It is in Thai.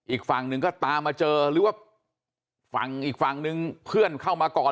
อีกฝั่งหนึ่งก็ตามมาเจอหรือว่าฝั่งอีกฝั่งนึงเพื่อนเข้ามาก่อน